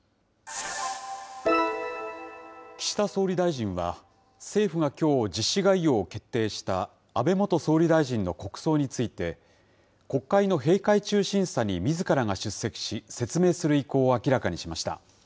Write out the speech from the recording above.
岸田総理大臣は、政府がきょう、実施概要を決定した安倍元総理大臣の国葬について、国会の閉会中審査にみずからが出席し、説明する意向を明らかにしました。